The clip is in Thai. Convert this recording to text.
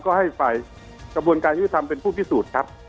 ก็ให้ฝ่ายกระบวนการยุทธิธรรมเป็นผู้พิสูจน์ครับ